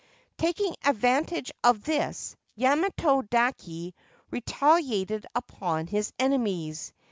Taking advantage of this, Yamato dake retaliated upon his enemies.